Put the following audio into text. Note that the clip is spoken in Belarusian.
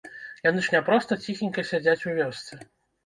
Яны ж не проста ціхенька сядзяць у вёсцы.